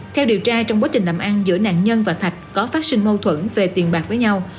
theo điều tra trong quá trình làm ăn giữa nạn nhân và thạch có phát sinh mâu thuẫn về tiền bạc với nhau